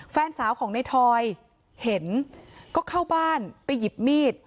แฟนสาวของในทอยเห็นก็เข้าบ้านไปหยิบมีด